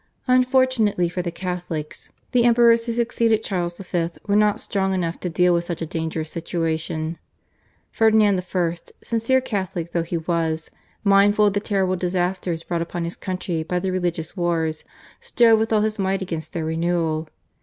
Unfortunately for the Catholics the Emperors who succeeded Charles V. were not strong enough to deal with such a dangerous situation. Ferdinand I., sincere Catholic though he was, mindful of the terrible disasters brought upon his country by the religious wars, strove with all his might against their renewal.